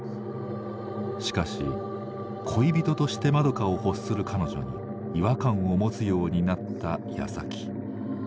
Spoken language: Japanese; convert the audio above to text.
しかし恋人としてまどかを欲する彼女に違和感を持つようになったやさき。